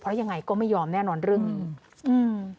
เพราะยังไงก็ไม่ยอมแน่นอนเรื่องนี้อืม